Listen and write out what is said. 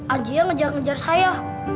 anjingnya ngejar ngejar saya